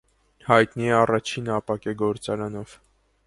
Հայտնի է առաջին ապակե գործարանով։